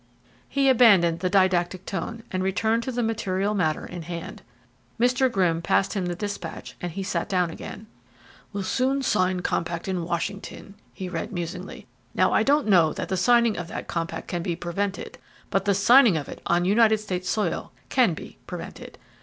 He abandoned the didactic tone, and returned to the material matter in hand. Mr. Grimm passed him the despatch and he sat down again. "'Will soon sign compact in Washington,'" he read musingly. "Now I don't know that the signing of that compact can be prevented, but the signing of it on United States soil can be prevented.